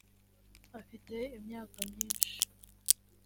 afite imyaka myishi.